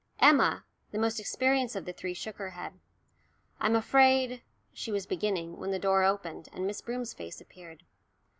Emma, the most experienced of the three, shook her head. "I'm afraid," she was beginning, when the door opened, and Miss Broom's face appeared.